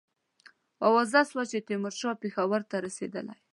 آوازه سوه چې تیمورشاه پېښور ته رسېدلی.